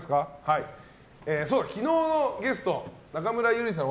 昨日のゲスト、中村ゆりさん